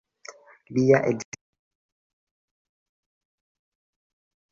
Lia edzino estas same fizikisto.